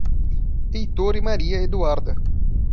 Heitor e Maria Eduarda